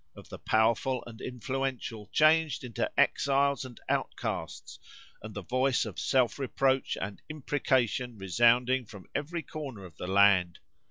of the powerful and influential changed into exiles and outcasts, and the voice of self reproach and imprecation resounding from every corner of the land?